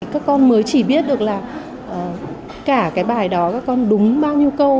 các con mới chỉ biết được là cả cái bài đó các con đúng bao nhiêu câu